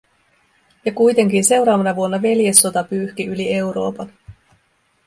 Ja kuitenkin seuraavana vuonna veljessota pyyhki yli Euroopan.